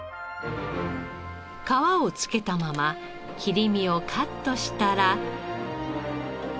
皮を付けたまま切り身をカットしたら。